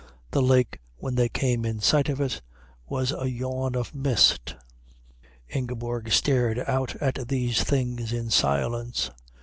The lake when they came in sight of it was a yawn of mist. Ingeborg stared out at these things in silence.